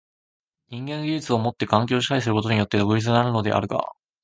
人間は技術をもって環境を支配することによって独立になるのであるが、